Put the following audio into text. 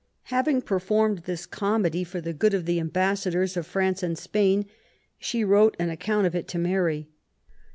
Having performed this comedy for the good of the ambassadors of France and Spain, she wrote an account of it to Mary.